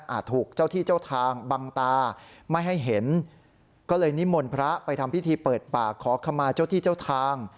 ถูกเจ้าที่เจ้าทางบังตาไม่ให้เห็นก็เลยนิมนต์พระไปทำพิธีเปิดป่าขอขมาเจ้าที่เจ้าทาง